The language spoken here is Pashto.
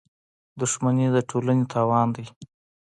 • دښمني د ټولنې تاوان دی.